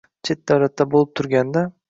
Chet davlatda bo‘lib turganda